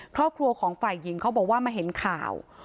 ครอบครัวของฝ่ายหญิงเขาบอกว่ามาเห็นข่าว